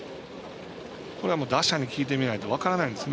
これは打者に聞いてみないと分からないですね。